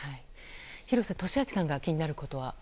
廣瀬俊朗さんが気になることは？